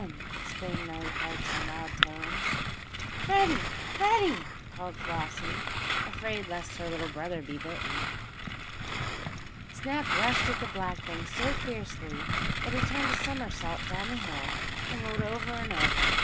exclaimed Nellie Parks, in loud tones. "Freddie! Freddie!" called Flossie, afraid lest her little brother be bitten. Snap rushed at the black thing so fiercely that he turned a somersault down the hill, and rolled over and over.